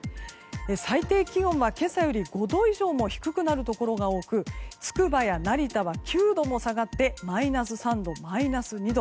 最低気温は今朝より５度以上も低くなるところが多くつくばや成田は９度も下がってマイナス３度、マイナス２度。